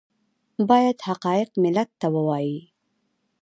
باید حقایق ملت ته ووایي